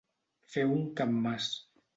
Fer un capmàs.